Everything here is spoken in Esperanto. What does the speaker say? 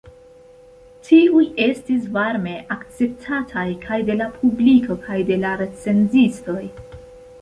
Tiuj estis varme akceptataj kaj de la publiko kaj de la recenzistoj.